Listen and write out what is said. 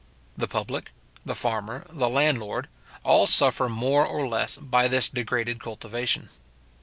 The public, the farmer, the landlord, all suffer more or less by this degraded cultivation.